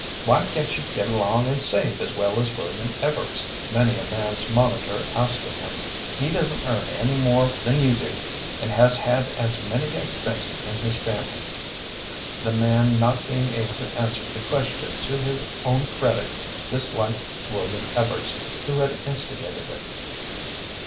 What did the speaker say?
"Why can't you get along and save as well as William Evarts?" many a man's monitor asked of him. "He doesn't earn any more than you do, and has had as many expenses in his family." The man not being able to answer the question to his own credit, disliked William Evarts who had instigated it.